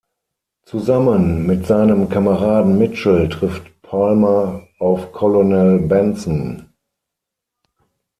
Zusammen mit seinem Kameraden Mitchell trifft Palmer auf Colonel Benson.